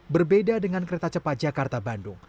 berbeda dengan kereta cepat jakarta bandung